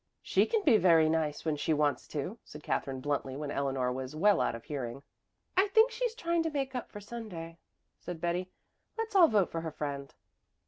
"She can be very nice when she wants to," said Katherine bluntly when Eleanor was well out of hearing. "I think she's trying to make up for Sunday," said Betty. "Let's all vote for her friend."